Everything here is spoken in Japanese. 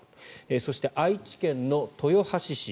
そして、愛知県の豊橋市。